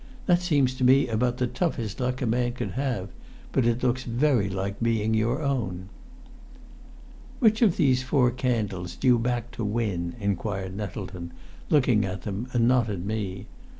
That seems to me about the toughest luck a man could have, but it looks very like being your own." "Which of these four candles do you back to win?" inquired Nettleton, looking at them and not at me.